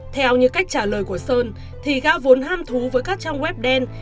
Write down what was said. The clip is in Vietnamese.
theo như cách trả lời của sơn thì ga vốn ham thú với các trang web đen